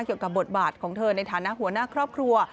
เกี่ยวกับบทบาทของเธอในฐานะหัวหน้าครอบครัว